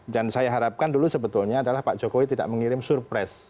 dan saya harapkan dulu sebetulnya adalah pak jokowi tidak mengirim surpres